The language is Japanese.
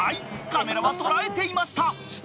カメラは捉えていました］